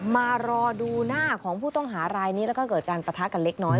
มารอดูหน้าของผู้ต้องหารายนี้แล้วก็เกิดการปะทะกันเล็กน้อย